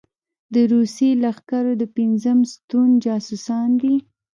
د روسي لښکرو د پېنځم ستون جاسوسان دي.